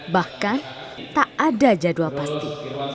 bahkan tak ada jadwal pasti